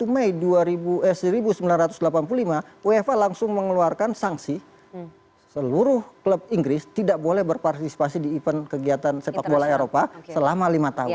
dua puluh mei seribu sembilan ratus delapan puluh lima uefa langsung mengeluarkan sanksi seluruh klub inggris tidak boleh berpartisipasi di event kegiatan sepak bola eropa selama lima tahun